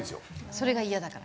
それがイヤだから？